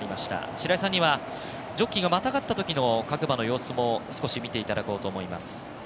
白井さんにはジョッキーがまたがったときの各馬の様子も少し見ていただこうと思います。